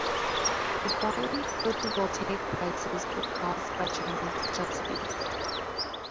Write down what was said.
The falling photovoltaic prices were caused by Chinese subsidies.